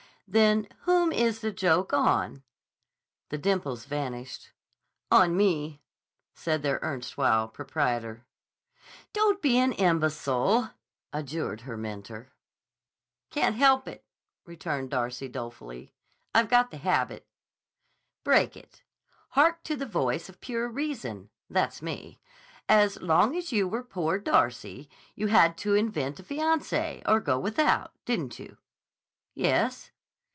"Then whom is the joke on?" The dimples vanished. "On me," said their erstwhile proprietor. "Don't be an imbecile!" adjured her mentor. "Can't help it," returned Darcy dolefully. "I've got the habit." "Break it. Hark to the voice of Pure Reason (that's me). As long as you were 'Poor Darcy,' you had to invent a fiancé or go without, didn't you?" "Yes."